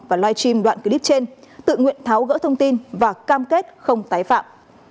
và live stream đoạn clip trên tự nguyện tháo gỡ thông tin và cam kết không tái phạm